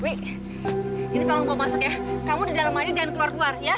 wi ini tolong bawa masuk ya kamu di dalam aja jangan keluar keluar ya